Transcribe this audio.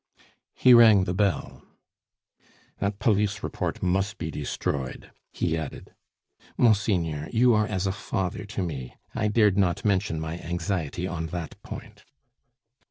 He rang the bell. "That police report must be destroyed," he added. "Monseigneur, you are as a father to me! I dared not mention my anxiety on that point."